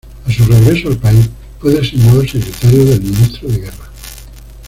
A su regreso al país fue designado secretario del Ministro de Guerra.